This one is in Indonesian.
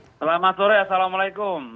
selamat sore assalamualaikum